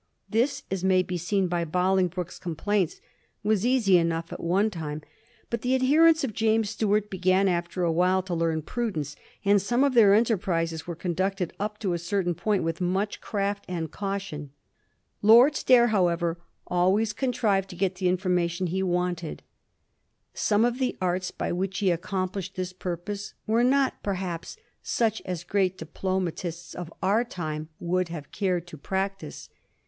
This, as may be seen by Boling broke's complaints, was easy enough at one time ; but the adherents of James Stuart began after a while to learn prudence, and some of their enterprises were conducted up to a certain point with much craft and caution. Lord Stair, however, always contrived to Digiti zed by Google 1728 LORD STAIR. 297 get the mformation he wanted. Some of the arts by which he accomplished his purposes were not, perhaps, such as a great diplomatist of our time would have cared to practise.